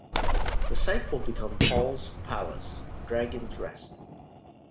The site will become Pol's palace, Dragon's Rest.